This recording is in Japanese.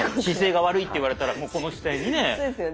姿勢が悪いって言われたらもうこの姿勢にね。